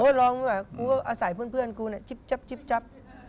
โอ้รอไม่ไหมกูก็อาศัยเพื่อนกูเนี่ยจิ๊บจับจิ๊บจับ